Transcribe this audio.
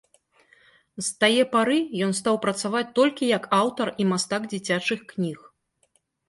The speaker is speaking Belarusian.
З тае пары ён стаў працаваць толькі як аўтар і мастак дзіцячых кніг.